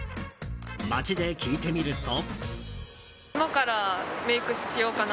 街で聞いてみると。